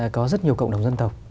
có rất nhiều cộng đồng dân tộc